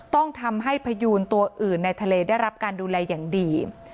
ต้องทำให้พยูนตัวอื่นในทะเลได้รับการดูแลอย่างดี